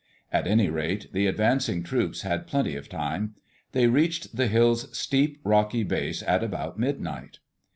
At any rate, the advancing troops had plenty of time. They reached the hill's steep, rocky base at about midnight.